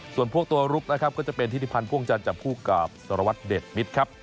กวงจันทร์จับผู้กราบสรวจเด็ดมิตรครับ